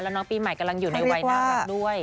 แล้วน้องปีใหม่กำลังอยู่ในวัยน่ารักด้วย